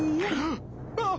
あっ！